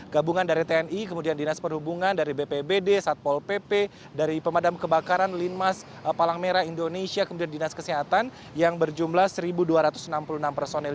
gabungan dari tni kemudian dinas perhubungan dari bpbd satpol pp dari pemadam kebakaran linmas palang merah indonesia kemudian dinas kesehatan yang berjumlah satu dua ratus enam puluh enam personil